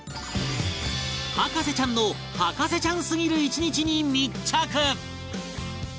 博士ちゃんの博士ちゃんすぎる１日に密着